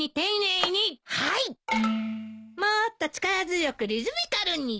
もっと力強くリズミカルに！